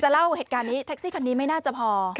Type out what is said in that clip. เล่าเหตุการณ์นี้แท็กซี่คันนี้ไม่น่าจะพอ